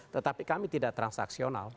tetapi kami tidak transaksional